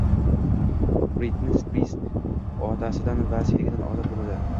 Britni Spirs otasining vasiyligidan ozod bo‘ladi